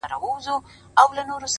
پرون دي بيا راته غمونه راكړل;